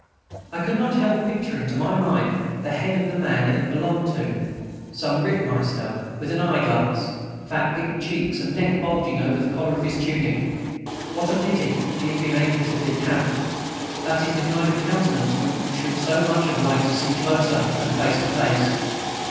And I could not help picturing to my mind the head of the man it had belonged to, some Rittmeister, with an eyeglass, fat pink cheeks and neck bulging over the collar of his tunic. What a pity he had been able to decamp! That is the kind of countenance we should so much have liked to see closer and face to face.